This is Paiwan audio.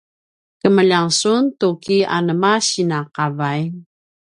kemljang sun tuki anema sinan qavay?